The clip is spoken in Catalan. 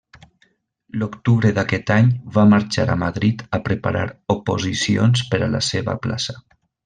L'octubre d'aquest any va marxar a Madrid a preparar oposicions per a la seva plaça.